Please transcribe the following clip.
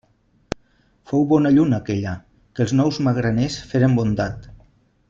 Fou bona lluna aquella, que els nous magraners feren bondat.